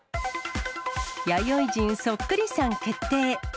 弥生人そっくりさん決定。